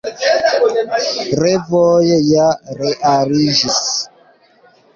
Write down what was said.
Revoj ja realiĝis!